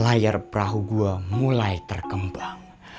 layar perahu gua mulai terkembang